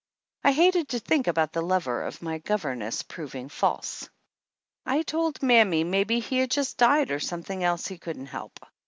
I hated to think about the lover of my governess proving false ! I told mammy maybe he had just died or some thing else he couldn't help.